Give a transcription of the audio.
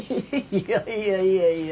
いやいやいやいや